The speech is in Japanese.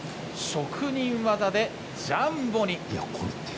職人技でジャンボに。